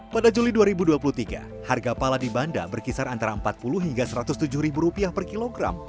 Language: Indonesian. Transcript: pada juli dua ribu dua puluh tiga harga pala di bandar berkisar antara empat puluh hingga satu ratus tujuh ribu rupiah per kilogram